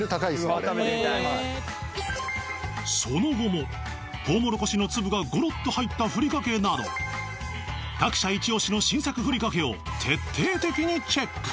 その後もとうもろこしの粒がごろっと入ったふりかけなど各社イチ押しの新作ふりかけを徹底的にチェック